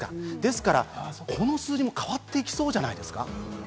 ですから、この数字も変わっていきそうじゃないですか？